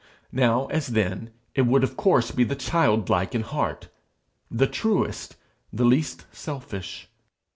Now, as then, it would of course be the childlike in heart, the truest, the least selfish.